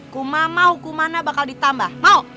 kumama hukumana bakal ditambah